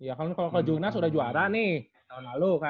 iya kalo ke timnas udah juara nih tahun lalu kan